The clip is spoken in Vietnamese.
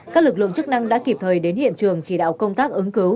các lực lượng chức năng đã kịp thời đến hiện trường chỉ đạo công tác ứng cứu